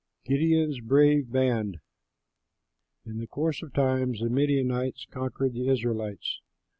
GIDEON'S BRAVE BAND In course of time the Midianites conquered the Israelites.